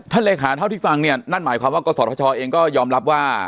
ท่านเลยค่ะเท่าที่ฟังเนี้ยนั่นหมายความว่ากฎศาสตร์ธรรมชาวเองก็ยอมรับว่า